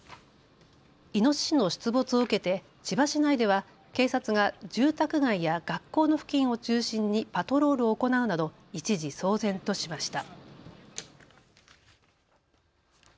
イノシシの出没を受けて千葉市内では警察が住宅街や学校の付近を中心にパトロールを行うなど一時、騒然としました。